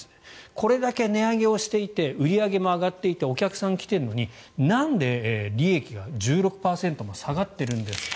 これだけ値上げをしていて売り上げも上がっていてお客さんが来ているのになんで利益が１６％も下がっているんですか。